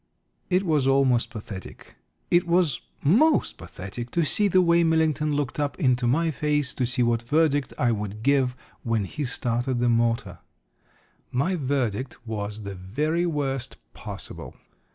It was almost pathetic, it was most pathetic, to see the way Millington looked up into my face to see what verdict I would give when he started the motor. My verdict was the very worst possible.